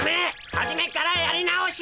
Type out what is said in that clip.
はじめからやり直し！